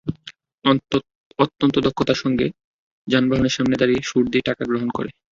অত্যন্ত দক্ষতার সঙ্গে যানবাহনের সামনে দাঁড়িয়ে শুঁড় দিয়ে টাকা গ্রহণ করে।